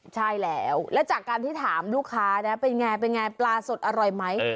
ใช่แล้วแล้วจากการที่ถามลูกค้านะเป็นไงเป็นไงปลาสดอร่อยไหม